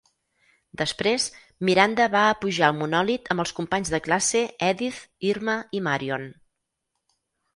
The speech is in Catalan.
Després, Miranda va a pujar el monòlit amb els companys de classe Edith, Irma i Marion.